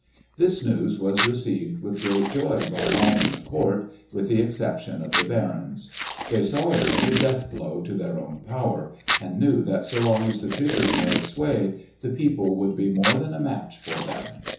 This news was received with great joy by all the court, with the exception of the barons. They saw in it a death blow to their own power, and knew that so long as the Tribune held sway, the people would be more than a match for them.